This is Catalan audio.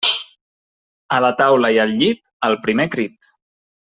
A la taula i al llit, al primer crit.